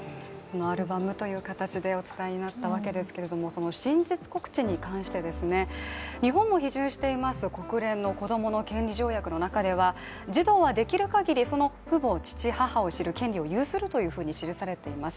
アルバムという形でお伝えになったわけですけれども、真実告知に関して、日本も批准しています国連の子どもの権利条約の中では児童はできるかぎりその父母を知る権利を有するというふうに記されています。